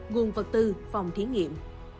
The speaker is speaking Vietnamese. nguồn vật tư phòng thiên nghiệm